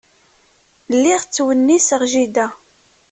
Lliɣ ttwenniseɣ jida.